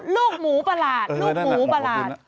ลูกหมูประหลาดนะครับขอบคุณนะครับนะครับขอบคุณนะครับ